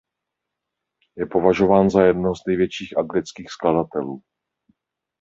Je považován za jednoho z největších anglických skladatelů.